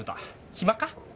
暇か？